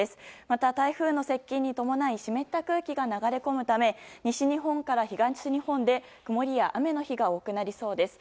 また、台風の接近に伴い湿った空気が流れ込むため西日本から東日本で曇りや雨の日が多くなりそうです。